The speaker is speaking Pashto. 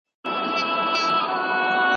دا شورا د ظلم مخه نيسي.